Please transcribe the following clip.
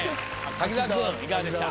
柿澤君いかがでした？